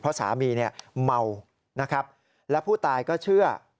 เพราะสามีเมาและผู้ตายก็เชื่อ